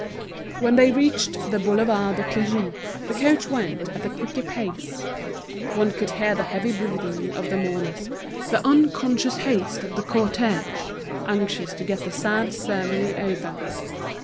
When they reached the Boulevard de Clichy, the coach went at a quicker pace; one could hear the heavy breathing of the mourners, the unconscious haste of the cortege, anxious to get the sad ceremony over.